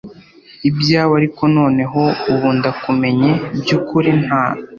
Ibyawe ariko noneho ubu ndakumenye by ukuri nta